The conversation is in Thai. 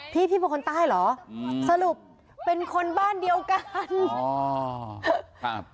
พี่พี่เป็นคนใต้เหรอสรุปเป็นคนบ้านเดียวกัน